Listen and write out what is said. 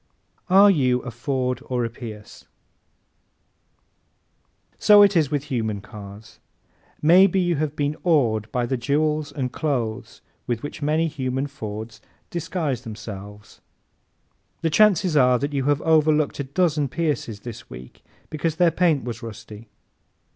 Are You a Ford or a Pierce? ¶ So it is with human cars. Maybe you have been awed by the jewels and clothes with which many human Fords disguise themselves. The chances are that you have overlooked a dozen Pierces this week because their paint was rusty.